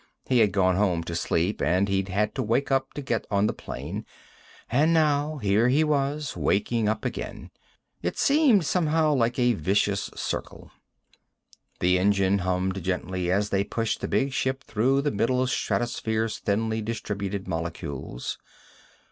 He had gone home to sleep, and he'd had to wake up to get on the plane, and now here he was, waking up again. It seemed, somehow, like a vicious circle. The engines hummed gently as they pushed the big ship through the middle stratosphere's thinly distributed molecules.